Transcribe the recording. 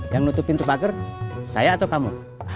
yang nutup pintu pagar saya atau kamu